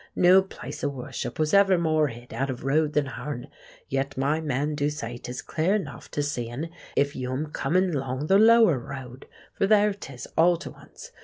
No place o' worship was ever more hid out o' road than ourn. Yet my man do say 'tis clear 'nough to see 'un if you'm comin' 'long the lower road; for there 'tis all to once.